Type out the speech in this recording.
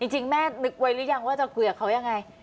จริงแม่นึกไว้หรือยังว่าจะคุยกับเขายังไง